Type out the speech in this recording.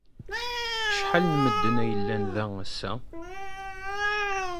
Acḥal n medden ay yellan da ass-a?